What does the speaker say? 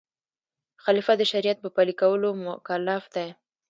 خلیفه د شریعت په پلي کولو مکلف دی.